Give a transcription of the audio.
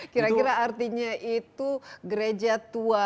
kira kira artinya itu gereja tua